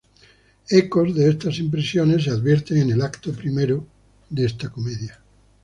Ecos de estas impresiones se advierten en el acto primero de esta comedia.